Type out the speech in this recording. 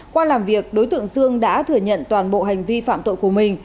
qua làm việc đối tượng dương đã thừa nhận toàn bộ hành vi phạm tội của mình